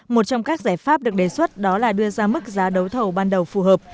một trong các giải pháp được đề xuất đó là đưa ra mức giá đấu thầu ban đầu phù hợp